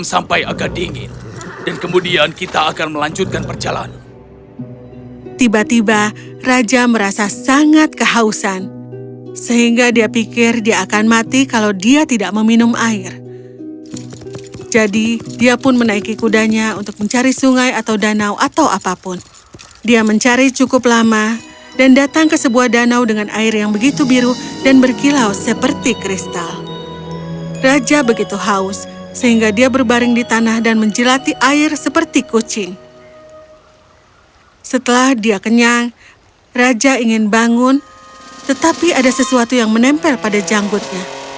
setelah dia kenyang raja ingin bangun tetapi ada sesuatu yang menempel pada janggutnya